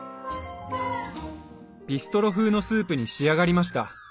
ビストロ風のスープに仕上がりました。